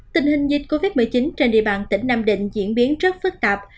tình hình dịch covid một mươi chín trên địa bàn tỉnh nam định diễn biến rất phức tạp